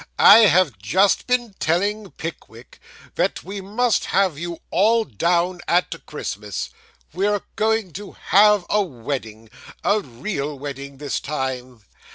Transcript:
'I have just been telling Pickwick that we must have you all down at Christmas. We're going to have a wedding a real wedding this time.